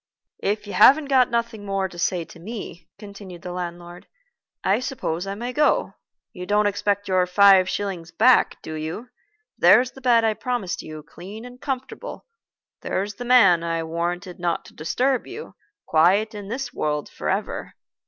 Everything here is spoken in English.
"If you haven't got nothing more to say to me," continued the landlord, "I suppose I may go. You don't expect your five shillings back, do you? There's the bed I promised you, clean and comfortable. There's the man I warranted not to disturb you, quiet in this world forever.